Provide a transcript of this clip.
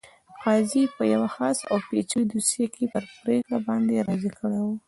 قاضي په یوه خاصه او پېچلې دوسیه کې په پرېکړه باندې راضي کړی وو.